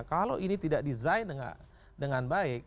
kalau ini tidak design dengan baik